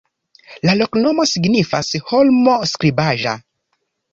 La loknomo signifas: holmo-skribaĵa.